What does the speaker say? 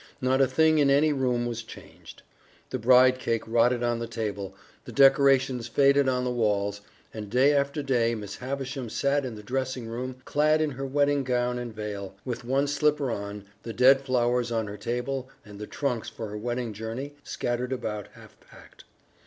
Not a thing in any room was changed. The bride cake rotted on the table, the decorations faded on the walls, and day after day Miss Havisham sat in the dressing room clad in her wedding gown and veil, with one slipper on, the dead flowers on her table and the trunks for her wedding journey scattered about half packed.